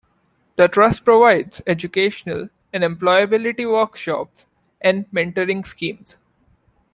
The Trust provides educational and employability workshops and mentoring schemes.